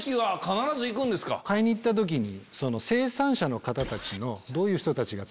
買いに行った時に。